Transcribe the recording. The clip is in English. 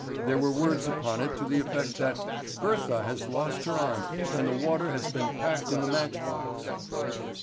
There were words upon it to the effect that "Bertha has lost her aunt, and the water has been packed in the matchbox."